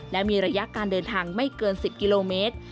และมีระยะการเดินทางไม่เกิน๑๐กิโลเมตร